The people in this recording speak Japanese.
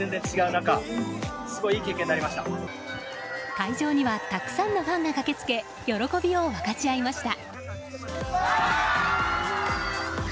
会場にはたくさんのファンが駆けつけ喜びを分かち合いました。